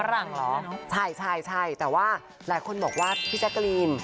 หลังเหรอใช่ใช่แต่ว่าหลายคนบอกว่าพี่แจ๊กกะลีน